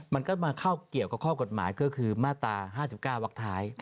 มันก็มาเข้าเกี่ยวกับข้อกฎหมายก็คือมาตรา๕๙วักท้าย